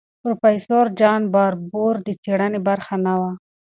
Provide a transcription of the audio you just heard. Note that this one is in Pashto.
پروفیسور جان باربور د څېړنې برخه نه وه.